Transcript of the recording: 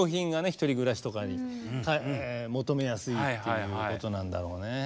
１人暮らしとかに求めやすいっていうことなんだろうね。